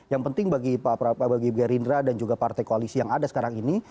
yang penting bagi pak prabowo bagi b rindra dan juga partai koalisi yang ada sekarang ini